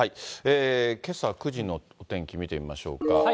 けさ９時のお天気、見てみましょうか。